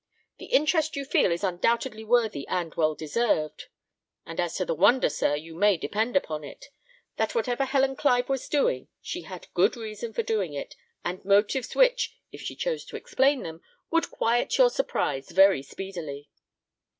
The interest you feel is undoubtedly worthy and well deserved; and as to the wonder, sir, you may depend upon it, that whatever Helen Clive was doing, she had good reason for doing, and motives which, if she chose to explain them, would quiet your surprise very speedily."